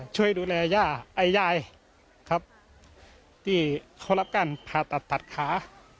ช่วยดูแลย่าย่ายที่เข้ารับการพาตัดถัดขา